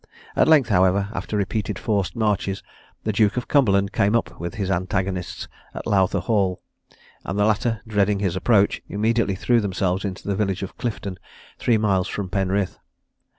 At length, however, after repeated forced marches the Duke of Cumberland came up with his antagonists at Lowther Hall; and the latter dreading his approach, immediately threw themselves into the village of Clifton, three miles from Penryth.